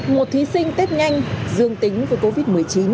một thí sinh test nhanh dương tính với covid một mươi chín